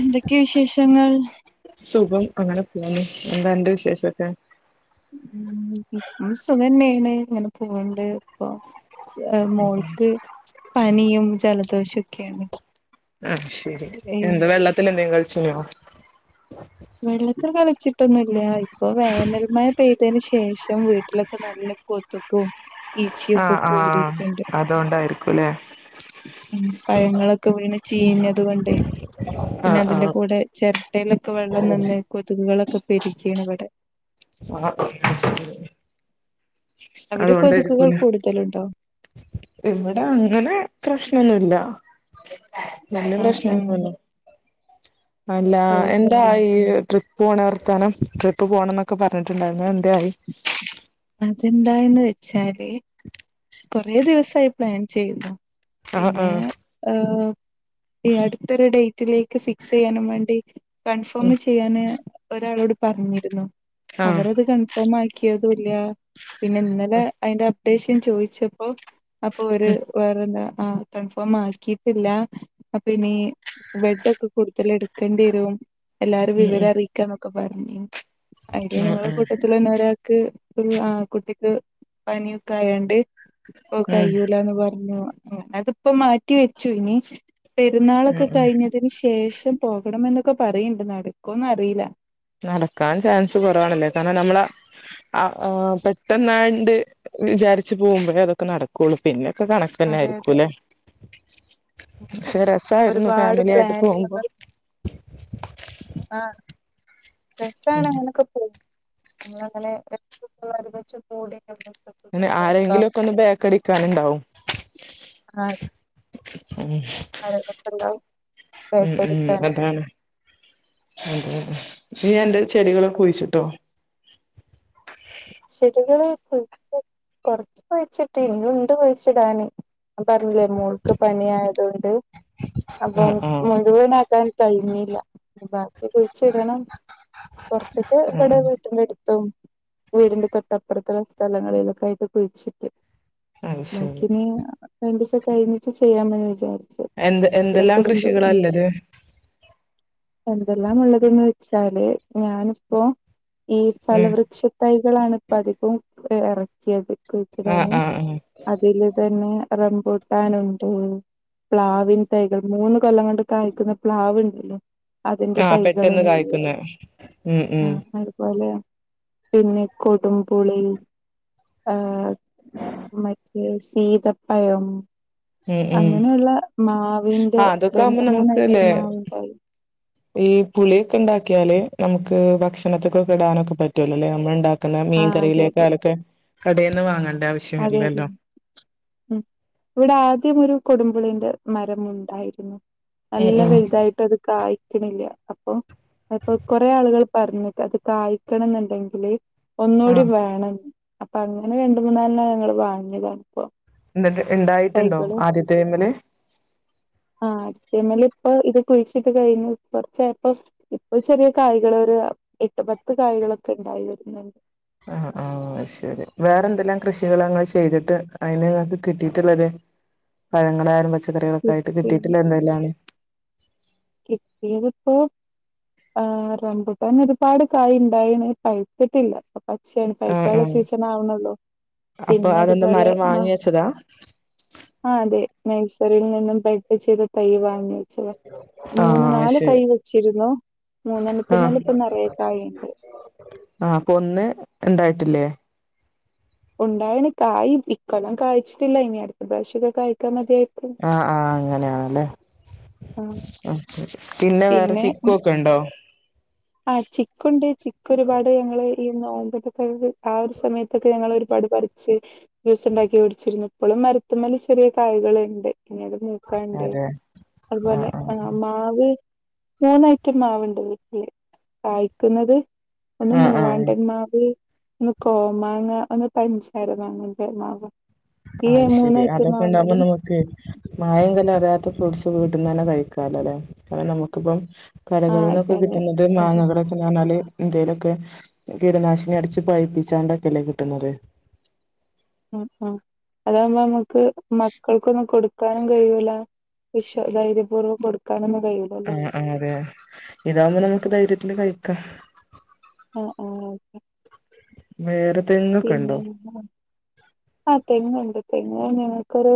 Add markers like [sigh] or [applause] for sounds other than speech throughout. എന്തൊക്കെ വിശേഷങ്ങൾ സുഖം അങ്ങനെ പോണ് എന്താ എന്റെ വിശേഷൊക്കെ ഉഉം ഇപ്പം സുഖന്യണ് ഇങ്ങനെ പോവണ്ട് ഇപ്പൊ മോൾക്ക് പനിയും ജലദോഷം ഒക്കെയുണ്ട് ആത് ശരി എന്താ വെള്ളത്തി എന്തെങ്കിലും കളിച്ചനോ വെള്ളത്തിൽ കളിച്ചിട്ടൊന്നില്ല ഇപ്പൊ വേനൽമയ പേയ് ത്തിതിന് ശേഷം വീട്ടിലൊക്കെ നല്ല കൊതുക്കും ഈച്ചയൊക്കെ ആഹ് ആഹ് കൂടിയിട്ടുണ്ട് അതോണ്ടായിരിക്കുംല്ലേ ഉം പഴങ്ങളൊക്കെ പിന്നെ ചീഞ്ഞത് കൊണ്ടേ പിന്നെ ആഹ് അതിന്റെ ആഹ് കൂടെ ചിരട്ടയിലൊക്കെ വെള്ളം നിന്ന് കൊതുകുകളൊക്കെ പെരുകീണ് ഇവടെ അഹ് അവിടെ കൊതുകുകൾ കൂടുതലുണ്ടോ ഇവിടെ അങ്ങനെ പ്രശ്നൊന്നുല്ല നല്ല ആഹ് ആഹ് പ്രശ്നംണ്ടോ അല്ല എന്താ ഓക്കെ ഈ ട്രിപ്പ് പോണ വർത്താനം ട്രിപ്പ് പോണം എന്നൊക്കെ ഒക്കെ പറഞ്ഞിട്ടുണ്ടായിരുന്നു എന്തായി അതെന്താന്ന് വെച്ചാല് കുറേ ദിവസമായി പ്ലാൻ ചെയ്യുന്നു ആഹ് പിന്നെ ആഹ് ഏഹ് ഈ അടുത്തൊരു ഡേറ്റിലേക്ക് ഫിക്സ് ചെയ്യാനും വേണ്ടി കൺഫേം ചെയ്യാന് ഒരാളോട് പറഞ്ഞിരുന്നു ആഹ് ആഹ് അവരത് കൺഫേം ആക്കിയതും ഇല്ല പിന്നെ ഇന്നലെ അതിന്റെ അപ്ഡേഷൻ ചോയിച്ച ച്ചപ്പോ അപ്പൊ ഒരു വേറെന്താ ആഹ് കൺഫേം ആക്കിയിട്ടില്ല അപ്പ ഇനി ബെഡ്ക്കെ കൂടുതൽ എടുക്കേണ്ടി വരും എല്ലാരും ഉം വിവരം ഉം അറിയിക്കാ എന്നൊക്കെ പറഞ്ഞിൻ അതില് ആഹ് ഞങ്ങള ആഹ് കൂട്ടത്തിലന്നോരാ ക് ഒരു ആഹ് കുട്ടിക്ക് പനിയൊക്കെ ആയണ്ട് ഇപ്പൊ ഉം കഴൂലന്ന് പറഞ്ഞു ന അതിപ്പോ മാറ്റി വെച്ചു ഇനി ഉം പെരുന്നാളൊക്കെ ഉം കഴിഞ്ഞതിന് ശേഷം പോകണം എന്നൊക്കെ പറയണ്ട് നടക്കോന്ന് അറിയില്ല നടക്കാൻ ചാൻസ് കുറവവാണ് ഇന്ന തന്നെ നമ്മള ആഹ് പെട്ടെന്നാണ്ട് വിചാരിച്ചു പോകുമ്പോഴേ അതൊക്കെ നടക്കുള്ളു പിന്നെ ക്കെ കണക്ക് തന്നെ അതെ അതെ ആയിരിക്കും ല്ലെ ഉം ഒരുപാട് ഫാമിലി പ്ലൻ ആയിട്ട് പോകുമ്പോ ആഹ് രസമാണ് അങ്ങനക്കെ [unintelligible] അങ്ങെ ആരെങ്കിലും ഒക്കെ ഒന്ന് ബേക്കടിക്കാനണ്ടാവും ആ അതെ ഉം ആരൊക്കെണ്ടാവും ഉം ഉം ബേക്കടിക്കാന് അതാണ് ഉം ഉം ഈ എന്റെ ചെടികള കുഴിച്ചിട്ടോ ചെടികള് കുഴിച്ച കൊറച്ച് കുഴിച്ചിട്ട് ഇനി ഇണ്ട് കുഴിച്ചിടാന് പറഞ്ഞില്ലേ മോൾക്ക് പനി ആയതൊണ്ട് അപ്പൊ ആഹ് ആഹ് മുഴുവൻ ആക്കാൻ കഴഞ്ഞില്ല ബാക്കി കുഴിച്ച് ഇടണം കുറച്ചൊക്കെ ഇവിടെ ആഹ് വീട്ടി എടുത്തും വീടിന്റെ തൊട്ടപ്പുറത്ത സ്ഥലങ്ങളിലൊക്കെ ആയിട്ട് കുഴിച്ചിട്ട് അത് ശരി ബാക്കി നി രണ്ടുദിവസം കഴിഞ്ഞിട്ട് ചെയ്യാമെന്ന് വിചാരിച്ചു എന്ത് ഇവിടെ എന്തെല്ലാം കുടുംബ കൃഷികളല്ലത് എന്തെല്ലാം ഉള്ളതന്ന് വെച്ചാല് ഞാനിപ്പോ ഈ ഉം ഫലവൃക്ഷ തൈകളാണ് ഇപ്പ അധികവും ഇറക്കിയത് ആഹ് കുഴിച്ചിടാൻ ആഹ് ആഹ് അതില് തന്നെ റംബുട്ടാനുണ്ട് പ്ലാവിൻ തൈകൾ മൂന്ന് കൊല്ലം കൊണ്ട് കായ്ക്കുന്ന പ്ലാവ്ണ്ടല്ലോ അതിന്റെ ആഹ് പെട്ടെന്ന് തൈകൾണ്ട് കായ്ക്കുന്ന ഉം ഉം ആഹ് അതുപോലെ പിന്നെ കൊടം പുളി ആഹ് മ സീതപ്പയം ഉം ഉം അങ്ങനെയുള്ള മാവിന്റെ രണ്ട് മൂന്ന് ഐറ്റം മാവിൻ തൈ ! ! ഈ പുളിയൊക്കെ ഉണ്ടാക്കിയാല് നമുക്ക് ഭക്ഷണത്തൊക്കെ ഇടാനൊക്കെ പറ്റൂലോല്ലേ നമ്മൾ ഉണ്ടാക്ക കുന്നമീൻ ആഹ് അതെ കറിയിലേക്കെ അതെ ആഹ് കടയിൽ നിന് വാങ്ങണ്ട ആവശ്യം അതെ അതെ വരില്ലല്ലോ ഉം ഇവിടെ ആദ്യം ഒരു കൊടമ്പുളീന്റെ മരം ഉണ്ടായിരുന്നു ഉം നല്ല ഉം വലുതായിട്ട് അത് കായ്ക്കണില്ല അപ്പൊ അപ്പൊ കൊറേ ആളുകൾ പറഞ്ഞു അത് കായ്ക്കണം എന്നുണ്ടെങ്കില് ഒന്നൂടി ആഹ് വേണം അപ്പൊ അങ്ങനെ രണ്ടു മൂന്നാലെണ്ണം ഞങ്ങള് വാങ്ങിയത അപ്പോ എന്നിട്ട് ഉണ്ടായിട്ടുണ്ടോ ആദ്യത്തെ മ്മേല് ആഹ് ആദ്യത്തെ മേല് ഇപ്പൊ ഇത് കുഴിച്ചിട്ട് കഴിഞ്ഞു കുറച്ചായപ്പ ഇപ്പൊ ചെറിയ കായ്കൾ ഒരു എട്ട് പത്ത് കായകളൊക്കെ ഉണ്ടായി വരുന്നുണ്ട് ആഹ് ആഹ് ആഹ് ശരി വേറെ എന്തെല്ലാം കൃഷികൾ നിങ്ങൾ ചെയ്തിട്ട് അതിന് നിങ്ങൾക്ക് കിട്ടിയിട്ടുള്ളത് പഴങ്ങളായാലും പച്ചക്കറികളൊക്കെ ആയിട്ട് കിട്ടി കിട്ടിയിട്ടില്ല എന്തെങ്കലാണ് കിട്ടിത് ഇപ്പോ ആ് റമ്പുട്ടാന് ഒരുപാട് കായ് ണ്ടായിന് പഴിത്തിട്ടില്ല പച്ചേണ് ആഹ് പൈക്കാള്ള ആഹ് സീസൺ ആവണല്ലോ അപ്പൊ പിന്നെ അതെന്താ അതുപോലെ മരം മ വാങ്ങി വെച്ചതാ ആ അതെ നഴ്‌സറിൽ നിന്നും.. പഴ്പ്പിച്ചൊരു തൈ വാങ്ങി വെച്ചതാ ആഹ് മൂന്ന് അത് നാല് തൈ ശരി വെച്ചിരുന്നു മൂന്നെണ്ണത്തിന് ആഹ് മേൽഇപ്പ നെറയെ കായുണ്ട് ആ അപ്പൊന്ന് ഉണ്ടായിട്ടില്ലേ? ഉണ്ടായാണ് കായില്ലി ഇക്കൊല്ലം കായ്ച്ചിട്ടില്ല ഇനി അടുത്ത പ്രവശ്യൊക്കെ കായ്ക്കാൻ മതിയായിരിക്കും അ ആ ആഹ് അങ്ങനെയാണല്ലേആ ശരി പിന്നെ വേറെ ചിക്കു ഒക്കെണ്ടോ? ആ ചിക്കുണ്ട് ചിക്കു ഒരുപാട് ഞങ്ങള് ഈ നോമ്പിന് കെഴ്ക് ഒരു സമയത്തൊക്കെ ഞങ്ങള് ഒരുപാട്പറി ച്ച് ജൂസുണ്ടാക്കി കുടിച്ചിരുന്നു പ്പളും മരത്ത്മ്മെല് ചെറിയ കായകള്ണ്ട് ഇനിയത് മൂക്കാണ്ട് അതെ ആഹ് അതുപോലെ ആ മാവ് മൂന്നൈറ്റം മാവുണ്ട് വീട്ടില് കായ്ക്കുന്നത് ഒന്ന് ആഹ് ആഹ് ആഹ് മൂവാണ്ടന്മാവ് ഒന്ന് കോമാങ്ങ ഒന്ന് പൻസാരമാങ്ങാ പെരുമാവും ആയ് ശെരി അതൊക്കെണ്ടാവുമ്പോ നമുക്ക് മായങ്കലരാത്ത ഫ്രൂട്ട്സ് വീട്ട്ന്നന്നെ കഴിക്കാലോലേ കാരണം നമുക്കിപ്പം ആ അതെ കടകളിനിന്നൊക്കെ അതെ കിട്ടുന്നത് അതെ മാങ്ങകള് എന്ന് പറഞ്ഞാല് എന്തെലൊക്കെ കീടനാശിനി അടിച്ച് പയിപ്പിച്ചാണ്ടക്കെല്ലേ കിട്ടുന്നത് ഉം ഉം അതാവൂമ്പോ മ്മക്ക് മക്കൾക്കൊന്നും കൊടുക്കാനും കയ്യൂല വിശ്വ ധൈര്യപൂർവ്വം കൊടുക്കാനൊന്നും കയ്യു ആ ആ അതെ ഇതാകുമ്പോ നമുക്ക് ധൈര്യത്തില് കഴിക്കാം അ ആ വേറെ തെങ്ങൊക്കെ ഉണ്ടോ പിന്നെന്താ ആ തെങ്ങുണ്ട് തെങ്ങ് ഞങ്ങക്കൊരു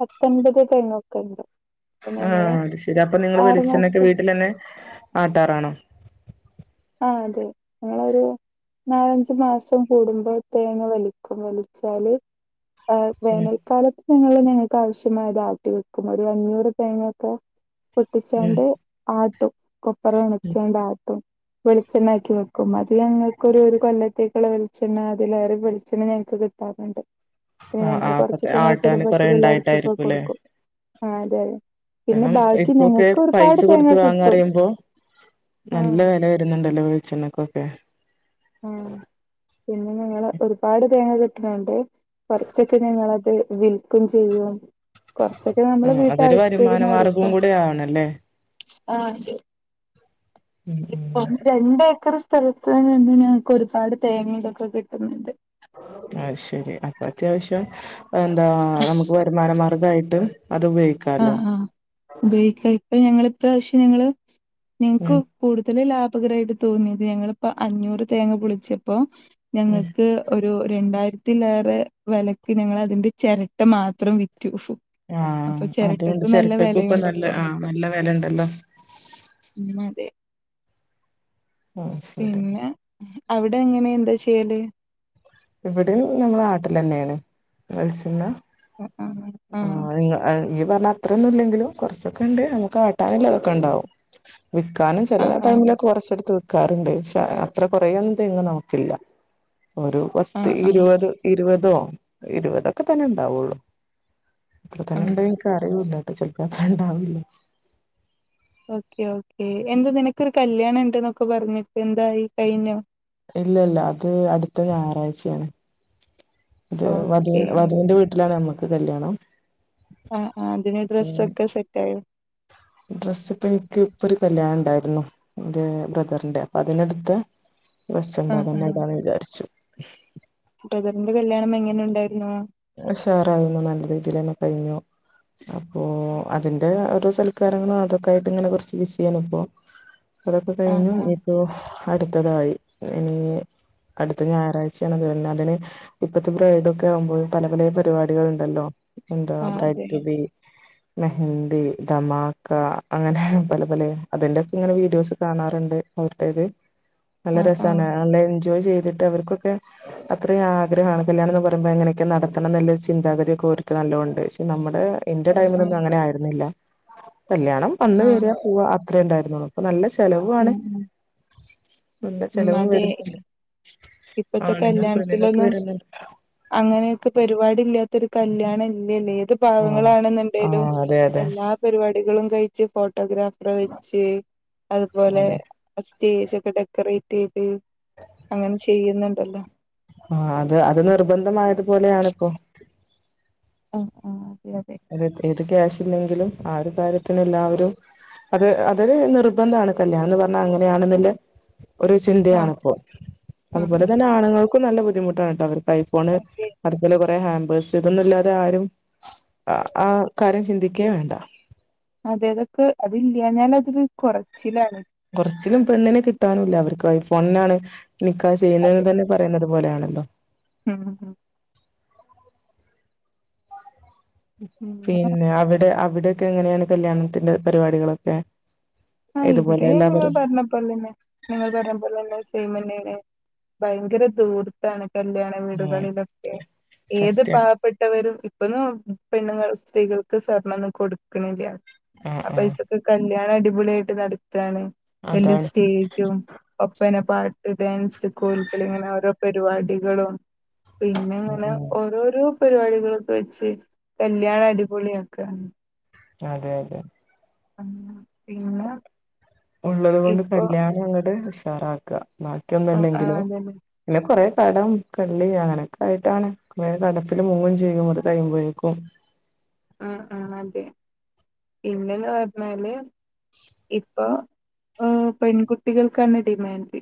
പത്തൻപത് തെങ്ങൊക്കെണ്ട് ആ അത് ശരി അപ്പൊ നിങ്ങള് വെളിച്ചെണ്ണക്കെ മാസത്തെ വീട്ടിലന്നെ, ആട്ടാറാണോ? ആ അതെ നിങ്ങളൊരു നാലഞ്ച്മാസം കൂടുമ്പോ തേങ്ങ വലിക്കും വലിച്ചാല് ആ ഉം വേനൽക്കാലത്ത് ഞങ്ങള് ങ്ങനെക്കാവശ്യമായ താട്ടിവെക്കും ഒര ഞ്ഞൂറ് തേ ങ്ങൊക്കെ ഉം പൊട്ടിച്ചാണ്ട് ആട്ടും കൊപ്പറ ഉം ണക്കേണ്ട ആ വെളിച്ചെണ്ണാക്കി വെക്കും അത് ഞ ങ്ങക്കൊരരു കൊല്ലത്തേക്കുള്ള വെളിച്ചെണ്ണ അതിലേറെ വെളിച്ചെണ്ണ ഞങ്ങ്ക്ക് കിട് ട്ടാറുണ്ട് ആഹ് പിന്നെങ്ങള് ആഹ് അപ്പത്തെ കൊറച്ചൊക്കെ ങ്ങള് ആട്ടാന് കൊറേ കുടുംബത്തിലുള്ളവർക്കൊക്കെ ഇണ്ടായിട്ടായിരിക്കുംല്ലേ കൊടുക്കും ആ അതെ പിന്നെ കാരണം ബാക്കി ഇപ്പൊക്കെ ഞങ്ങക്ക് പൈസ ഒരുപാട് തേങ്ങ കൊടുത്ത് കിട്ടും വാങ്ങാറിയുമ്പോ ആ നല്ല വെല വരുന്നുണ്ടല്ലോ വെളിച്ചെണ്ണക്കൊക്കെ ആ പിന്നെ ഞങ്ങള് ഒരുപാട് തേങ്ങ കിട്ട് ണണ്ട് കൊറച്ചൊക്കെ ഞങ്ങളത് വിൽക്കും ചെയ്യും കൊറച്ചൊക്കെ നമ്മള് ആഹ് അതൊരു വരുമാന വീട്ടാവശ്യത്തിനെടുക്ക മാർഗവും കൂടെ ആവണല്ലേ ആ ശ് ഉം ഉം ഇപ്പളും രണ്ടേക്കർ സ്ഥലത്ത് നിന്ന് ഞങ്ങക്ക് ഒരുപാട് തേങ്ങേതൊക്കെ കിട്ടുന്നുണ്ട് അയ്ശരി അപ്പൊത്യാശ്യം എന്താ നമുക്ക് വരുമാനം മാ അതായിട്ട് അതുപയോ അ ആ ഉപയോഗിക്ക ഇപ്പൊ ഞങ്ങള് ഇപ്രാവശ്യം ഞങ്ങള് നിങ്ങ്ക്കു ഉം കൂടുതല് ലാഭകരായിട്ട് തോന്നിയത് ഞങ്ങളിപ്പോ അഞ്ഞൂറ് തേങ്ങ പൊളിച്ചപ്പോ ഉം ഞങ്ങക്ക് ഒരു രണ്ടായിര ത്തിലേറെ വെലക്ക് ഞങ്ങളതിന്റെ ചെരട്ട മാത്രം വിറ്റു ഹ്‌ ആ അതൊണ്ട് ചെരട്ടക്ക് ഇപ്പ വെലയുണ്ട് നല്ല ഇപ്പൊ ആ നല്ല വെലണ്ടല്ലോ ഉം അതെ ആഹ് ശരി പിന്നെ അവിടെ എങ്ങനെ എന്താ ചെയ്യല് ഇവിടേം നമ്മളാട്ടലെന്നേണ് വെളിച്ചെണ്ണ അ അ അ ആ അഹ് നീ പറഞ്ഞത്രൊന്നും ഇല്ലെങ്കിലും കുറച്ചൊക്കെണ്ട് നമുക്കാട്ടാനുള്ളതൊ ക്കണ്ടാവും വിക്കാനും ആഹ് ചെലടൈമിലൊക്കെ കുറച്ചെടുത്ത് വ് ക്കാറുണ്ട് ഷ അത്ര കൊറെ ഒന്ന്‌ തെങ്ങ് നമുക്കില്ല ഒരു പത്ത് ആഹ് ആഹ് ഇരുപത് ഇരുപതോ ഇരുപതൊക്കെതന്നെ ഉണ്ടാവുള്ളൂ അത്ര ആഹ് തന്നെണ്ട് അറിയില്ലട്ടോ ചെലപ്പോ അത്ര ഉണ്ടാവില്ല ഓക്കെ ഒക്കെ എന്താ നിനക്കൊരു കല്യാണം ഇണ്ട് എന്നൊക്കെ പറഞ്ഞിട്ട് എന്തായി കയിഞ്ഞോ? ഇല്ലല്ല അത് അടുത്ത ഞാറാഴ്ച്ചയാണ് അത് വധു ഓക്കെ വധുന്റെ വീട്ടിലാണ് ഞമ്മക്ക് കല്യാണം എ ആതിന് അപ്പൊ ഡ്രസൊക്കെ സെറ്റായൊ ഡ്രസ്സ് ഇപ്പം എനിക്ക് ഇപ്പൊ ഒരു കല്യാണണം ഉണ്ടായിരുന്നു എന്റെ ബ്രദറിന്റെ അപ്പൊ അതിന് എട്ത്തെ ഡ്രസ്സ് ഉണ്ട് ആ അത് ആ തന്നെ ഇടാന്ന് വിചാരിച്ചു ബ്രദറിന്റെ കല്യാണം എങ്ങനെ ഉണ്ടായിരുന്നു ഉഷാറായിന്നു നല്ല രീതിൽ തന്നെ കഴിഞ്ഞു അപ്പോ അതി ഓരോ സല്ക്കാരും അതൊക്കൊയായിട്ട് ഇങ്ങെനെ കുറച്ച് ബിസിയ്യാണ് ഇപ്പോ അതൊക്കെ ആ കഴിഞ്ഞു ആ ഒരു അടുത്തതായി ഇനി അടുത്ത ഞായറാഴ്ചയാണ് അതിന് ഇപ്പഴത്തെ ബ്രൈഡ് ഒക്കെ ആകുമ്പോള് പല പല പരിപാടികൾ ഉണ്ടല്ലോ എന്താ ആ ബ്രൈട് അതെ റ്റു ബി മെഹന്ദി ദധമാക്ക അങ്ങനെ പല പല അതിന്റെക്കെ ഇങ്ങനെ വീഡിയോസ് കാണാറുണ്ട് ഓരോരുത്തര്ത് നല്ല ആ ആ രസമാണ് നല്ല എൻജോയ് ചെയ്തിട്ട് അവർക്കൊക്കെ അത്രയും ആഗ്രഹമാണ് കല്യാണം എന്ന് പറയ്പോ എങ്ങനെ ക്കെ നടത്തണം എന്ള്ള ചിന്താഗതി ഒക്കെ ഓർക് നല്ലൊണം ഇണ്ട് പക്ഷെ നമ്മുടെ എന്റെ ആ ആ ടൈമിലൊന്നും അങ്ങനെ ആയിരുന്നില്ല കല്യാണം വന്ന് ആ വരാ പോവ അത്രേ ഉണ്ടായിരുന്നുള്ള ഇപ്പൊ നല്ല ഉം ചെലവാണ് ഉം നല്ല ഉം ചെലവും അതെ വരുന്നുണ്ട് ഇപ്പത്തെ ആണിനും പെണ്ണിനൊക്കെ കല്യാണത്തിലൊന്നും വരുന്നുണ്ട് അങ്ങനെയൊക്കെ പരിപാടില്ലാത്തരു കല്യാണം ഇല്ലല്ലേ ഏത് ആഹ് പാവങ്ങളാണ് എന്നുണ്ടെലും ആഹ് അതെ അതെ എല്ലാ പരിപാടികളും കഴിച്ച് ഫോട്ടോഗ്രാഫർ വെച്ച് അതുപോലെ അതെ സ്റ്റേജ് ഒക്കെ ഡെക്കറേറ്റ് ചെയ്ത് അങ്ങനെ ചെയ്യുന്നുണ്ടല്ലോ ആ അത് അത് നിർബന്ധമായത് പോലെയാണ് ഇപ്പോ ഉം ഉം അതെ അതെ ഏത് ക്യാഷ് ഇല്ലെങ്കിലും ആ ഒരു കാര്യത്തിന് എല്ലാവരും അത് അത് നിർബന്ധണ് കല്യാണം എന്ന് പറഞ്ഞാ അങ്ങനെയാണെന്നില്ല ഒരു ആഹ് ചിന്തയാണിപ്പോൾ അതുപോലെ ആഹ് തന്നെ ആഹ് ആണുങ്ങൾക്കും നല്ല ബുദ്ധിമുട്ടാണ്ട് ട്ടെ അവർക്ക് ഐഫോൺ അതെ അതുപോലെ കൊറെ ഹാമ്പേഴ്സ് ഇതൊന്നും ഇല്ലാതെ ആരും ആ ആ കാര്യം ചിന്തിക്കേ വേണ്ട അതെ അന്തൊക്കെ അത് ഇല്ലാഞ്ഞാൽ അതില് കൊറച്ചിലാണ് കൊറച്ചിലും പെണ്ണിനെ കിട്ടാനുമില്ല അവർക്ക് ഐഫോണിനാണ് നിക്കാഹ് ചെയ്യുന്നത് അതെ തന്നെ പറയുന്നത് പോലെയാണല്ലോ ഉം ഉം പിന്നെ അവിടെ അവിടെയക്കെ എങ്ങനെയാണ് കല്യാണത്തിന്റെ പരിപാടികളൊക്കെ ആഹ് ഇതുപോലെ ഇവിടെ നിങ്ങൾ എല്ലാവരും പറഞ്ഞ അത്പേലെന്നെ നിങ്ങൾ പറഞ്ഞ പോലെ തന്നെ സെയിം തനെയാണ് ഭയങ്കരം ദൂർത്താണ് കല്യാണം ഉം വീടുകളിലൊക്കെ ഏത് പാ സത്യം പെട്ടവരും ഇപ്പൊന്ന പെണ്ണുങ്ങൾ സ്ത്രീകൾക്ക് സ്വർണ്ണം കൊടുക്ണില്യാ ആ പൈസക്കെ കല്യാണം അടിപൊളിയായിട്ട് നടത്താണ് അതാണ് വല്യസ്റ്റേജും ഒപ്പനെ പാട്ട് ഡാൻസ് കോൽകളീം ഇങ്ങനെ ഓരോ പരിപാടികളും പിന്നെ ഉം ഇങ്ങനെ ഉം ഓരോരോ പരിപാടികളൊക്കെ വെച്ച് കല്യാണം അടിപൊളിയാക്ക അതെ അതെ ഉം ഇങ്ങളെ ഉള്ളത് കൊണ്ട് കല്യാണം അങ്ങോട്ട് ഉഷാറാക്ക ബാക്കിയൊന്നു ആഹ് ആഹ് ഇല്ലെങ്കിലും അതന്നെ പിന്നെ കൊറെേ കടം കള്ളി അങ്ങനെയൊക്കെ ആയിട്ടാണ് കടത്തില് മുങ്ങും ചെയും കഴിയുമ്പോഴേക്കും ആഹ് ആഹ് അതെ പിന്നെന്ന് പറഞ്ഞാല് ഇ പ്പെ പെൺകുട്ടികൾക്കാണ് ഡിമാൻഡ്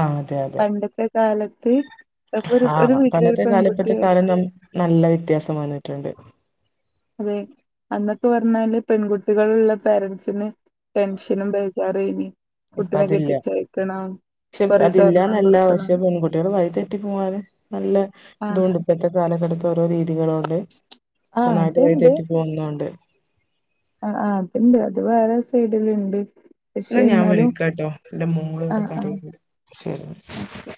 ആഹ്‌ അതെ അതെ ഒര് കാലത്ത് ഒരു ഒരു ആഹ വീട്ടിലൊരു പണ്ടത്തെ കാലം പെൺകുട്ടി ഇപ്പത്തെ കാലംന്നും നല്ല വ്യത്യാസം വന്നിട്ടുണ്ട് അതെ അന്നൊക്കെ പറഞ്ഞാല് പെൺകുട്ടികളുള്ള പാരൻസിന് ടെൻഷനും ബേചാറും ഏനി ഇപ്പ കുട്ടിനെ അതില്ല കെട്ടിച്ചയക്കണം പക്ഷെ കൊറേ സ്വർണം അതില്ലന്നെല്ല കൊടുക്കണം പക്ഷേ പെൺകുട്ടികള് വഴി തെറ്റി പോവാന് നല്ല ആഹ് ഇതുംണ്ട് ഇപ്പത്തെ കാലഘട്ടത്തെ ഓരോ രീതികളോണ്ട് ആഹ് നന്നായിട്ട് വഴി അത്ണ്ട് തെറ്റി പോവുന്നുംണ്ട് ആഹ് ആഹ് അതിണ്ട് അത് വേറെ സൈഡില്ണ്ട് പക്ഷെ ഇന്ന ഞാൻ എന്നാലും വിളിക്കാട്ടോ എന്റെ മോള് ഇവിടെ ആഹ് ആഹ് കരയിണ്ട് ശെരി ഓക്കെ